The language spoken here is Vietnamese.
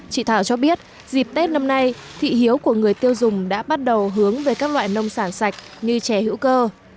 chị thảo cho biết dịp tết năm nay thị hiếu của người tiêu dùng đã bắt đầu hướng về các loại nông sản sạch như chè hữu cơ